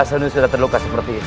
senur jati sudah terluka seperti ini